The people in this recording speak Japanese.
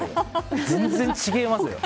全然違いますよ。